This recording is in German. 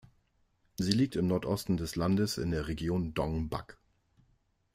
Sie liegt im Nordosten des Landes in der Region Đông Bắc.